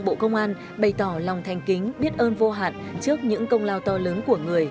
bộ công an bày tỏ lòng thanh kính biết ơn vô hạn trước những công lao to lớn của người